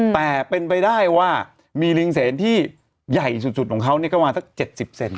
แต่เป็นไปได้ว่ามีลิงเสนที่ใหญ่สุดของเขาก็ประมาณสัก๗๐เซน